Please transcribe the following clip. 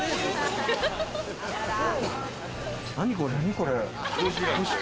何これ？